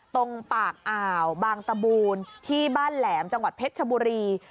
ตรงปากอ่าวบางตะบูนที่บ้านแหลมจังหวัดเพชรชบุรี